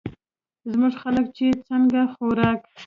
زمونږ خلک چې څنګه خوراک